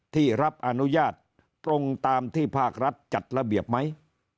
ที่รับอนุญาตตรงตามที่ภาครัฐจัดระเบียบไหม